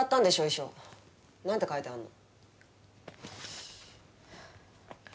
遺書何て書いてあんの？